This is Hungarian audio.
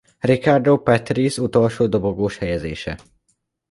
Riccardo Patrese utolsó dobogós helyezése.